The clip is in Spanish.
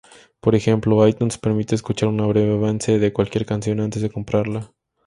Por ejemplo, iTunes permite escuchar un breve avance de cualquier canción antes de comprarla.